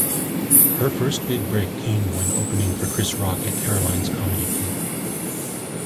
Her first big break came when opening for Chris Rock at Caroline's Comedy Club.